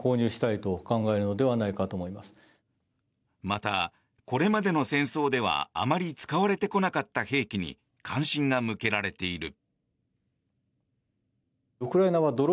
また、これまでの戦争ではあまり使われてこなかった兵器に関心が向けられている。